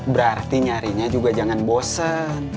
berarti nyarinya juga jangan bosen